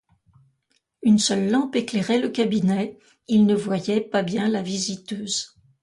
Une seule lampe éclairait le cabinet, il ne voyait pas bien la visiteuse.